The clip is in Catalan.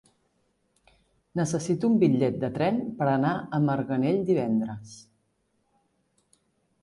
Necessito un bitllet de tren per anar a Marganell divendres.